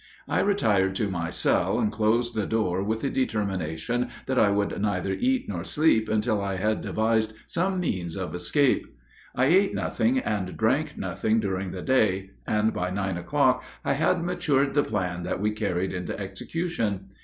I retired to my cell, and closed the door with the determination that I would neither eat nor sleep until I had devised some means of escape. I ate nothing and drank nothing during the day, and by nine o'clock I had matured the plan that we carried into execution.